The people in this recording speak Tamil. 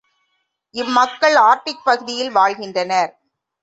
இம் மக்கள் ஆர்க்டிக் பகுதியில் வாழ்கின்றனர்.